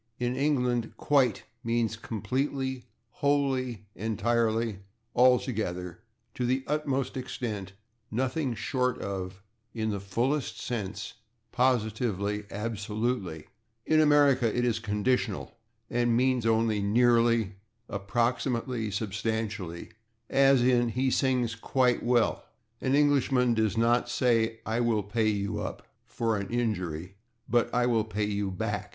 In England /quite/ means "completely, wholly, entirely, altogether, to the utmost extent, nothing short of, in the fullest sense, positively, absolutely"; in America it is conditional, and means only nearly, approximately, substantially, as in "he sings /quite/ well." An Englishman does not say "I will pay you /up/" for an injury, but "I will pay you /back